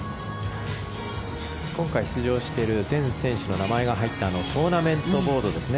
今回出場している全選手の名前が入ったトーナメントボードですね。